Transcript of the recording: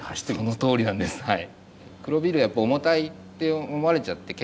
そのとおりなんですはい。